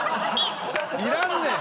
いらんねん！